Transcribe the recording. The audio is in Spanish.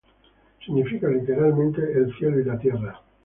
Significa literalmente "El Cielo y La Tierra".